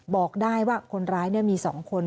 บอกได้ว่าคนร้ายมี๒คน